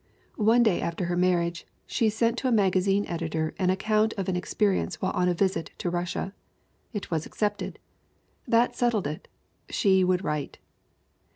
One day after her marriage she sent to a magazine editor an account of an experience while on a visit to Russia. It was accepted. That settled it. She would write.